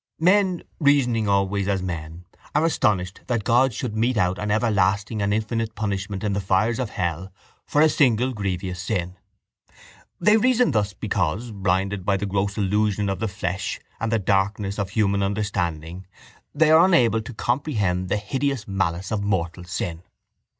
Men, reasoning always as men, are astonished that God should mete out an everlasting and infinite punishment in the fires of hell for a single grievous sin. They reason thus because, blinded by the gross illusion of the flesh and the darkness of human understanding, they are unable to comprehend the hideous malice of mortal sin.